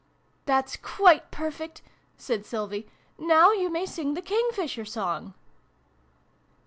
" That's quite perfect," said Sylvie. " Now you may sing the King fisher Song."